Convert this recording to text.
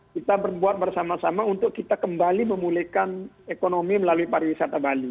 kita berbuat bersama sama untuk kita kembali memulihkan ekonomi melalui pariwisata bali